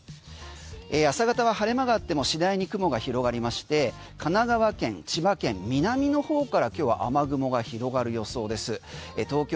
朝方は晴れ間があっても次第に雲が広がりまして神奈川県、千葉県南の方から今日は雨雲が広がる予想です。